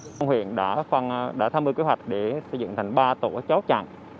công huyện đã tham mưu kế hoạch để xây dựng thành ba tổ chốt chặn